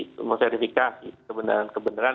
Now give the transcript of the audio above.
untuk memverifikasi kebenaran kebenaran